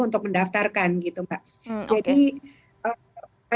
untuk semuanya dilengkapi